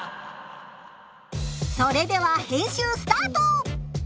それでは編集スタート！